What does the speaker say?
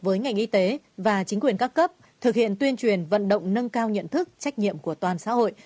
với ngành y tế và chính quyền các cấp thực hiện tuyên truyền vận động nâng cao nhận thức trách nhiệm của toàn xã hội